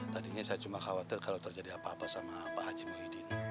tadinya saya cuma khawatir kalau terjadi apa apa sama pak haji muhyiddin